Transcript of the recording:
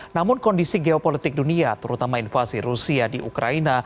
namun kondisi geopolitik dunia terutama invasi rusia di ukraina